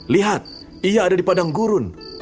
lihat ia ada di padang gurun